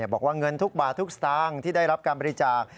บอกว่าเงินทุกบาททุกสตางค์ที่ได้รับการบริจาค